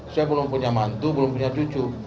saya belum punya mantu belum punya cucu